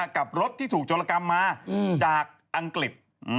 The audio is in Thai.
กับรถที่ถูกโจรกรรมมาจากอังกฤษ